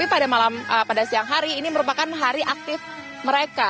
pada siang hari ini merupakan hari aktif mereka